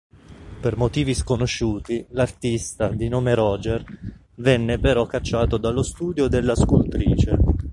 Per motivi sconosciuti, l'artista, di nome Roger, venne però cacciato dallo studio della scultrice.